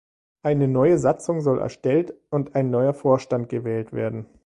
Eine neue Satzung soll erstellt und ein neuer Vorstand gewählt werden.